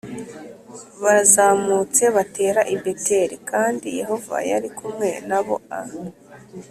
barazamutse batera i Beteli, kandi Yehova yari kumwe na bo. A